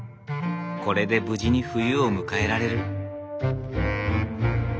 これで無事に冬を迎えられる。